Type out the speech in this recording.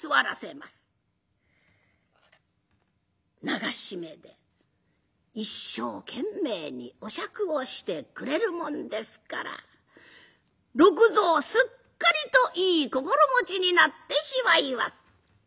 流し目で一生懸命にお酌をしてくれるもんですから六蔵すっかりといい心持ちになってしまいます。